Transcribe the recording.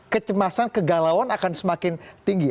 kecemasan kegalauan akan semakin tinggi